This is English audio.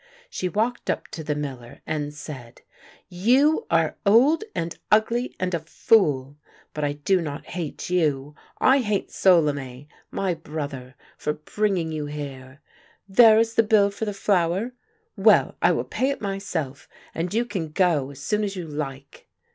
She walked up to the miller and said: " You are old and ugly and a fool ! But I do not hate you ; I hate Solime, my brother, for bringing you here. There is the bill for the flour? Well, I will pay it my self — and you can go as soon as you like